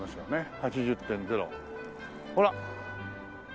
８０．０ほら。